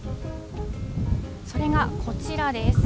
それがこちらです。